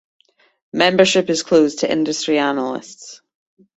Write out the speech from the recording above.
Membership is closed to industry analysts.